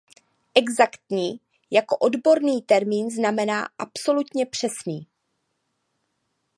Exaktní jako odborný termín znamená absolutně přesný.